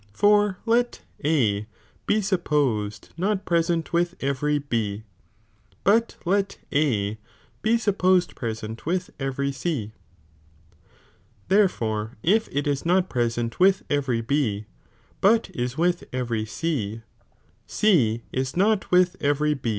For let A be supposed not pre flguK a'^™^ sent with every B, but let A be supposed present v"^'^ ^S" with every C, therefore if it is not present with cmtisdMoiiii every B, but is with every C, C is not with every ^""^JjjJ?